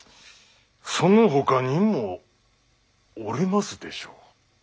そのほかにもおりますでしょう？